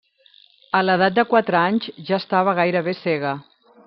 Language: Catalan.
A l'edat de quatre anys ja estava gairebé cega.